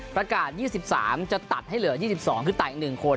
ประกาศ๒๓จะตัดให้เหลือ๒๒คือตัดอีก๑คน